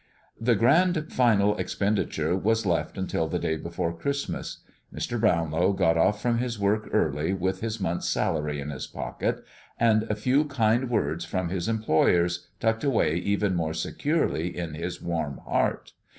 The grand final expenditure was left until the day before Christmas. Mr. Brownlow got off from his work early, with his month's salary in his pocket, and a few kind words from his employers tucked away even more securely in his warm heart.